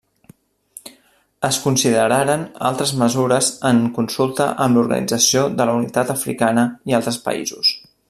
Es consideraren altres mesures en consulta amb l'Organització de la Unitat Africana i altres països.